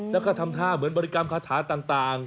แล้วก็ทำท่าเหมือนบริกรรมคาถาต่าง